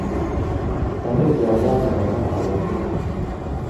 Mpaniridde abaana bana abato.